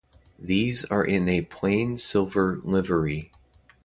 These are in a plain silver livery.